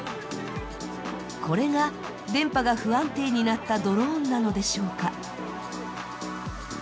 これが電波が不安定になったドローンなのでしょうか？